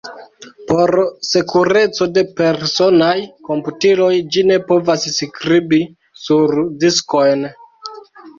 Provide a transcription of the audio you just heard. Por sekureco de personaj komputiloj ĝi ne povas skribi sur diskojn.